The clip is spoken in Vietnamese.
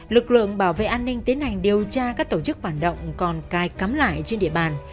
lực lượng bảo vệ an ninh tiến hành điều tra các tổ chức phản động còn cai cắm lại trên địa bàn